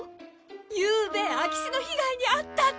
ゆうべ空き巣の被害にあったって。